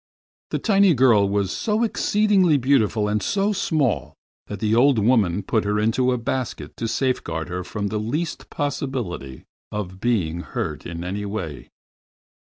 The tiny girl was so exceedingly beautiful and so small, that the old woman put her into a basket to safeguard her from the least possibility of being hurt in any way.